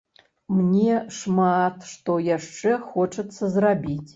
Мне шмат што яшчэ хочацца зрабіць.